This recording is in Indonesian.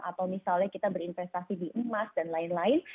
atau misalnya kita berinvestasi di emas dan lain lain